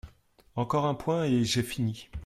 Encore un point, et j’ai fini.